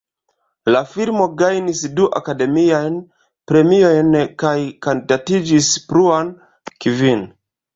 La filmo gajnis du Akademiajn Premiojn kaj kandidatiĝis pluan kvin.